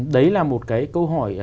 đấy là một câu hỏi